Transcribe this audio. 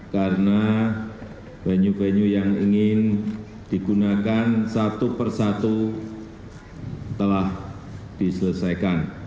karena venue venue yang ingin digunakan satu per satu telah diselesaikan